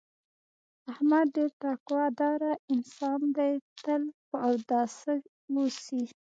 احمد ډېر تقوا داره انسان دی، تل په اوداسه اوسي.